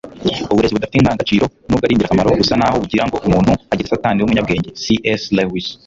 uburezi budafite indangagaciro, nubwo ari ingirakamaro, busa naho bugira ngo umuntu agire satani w'umunyabwenge - c s lewis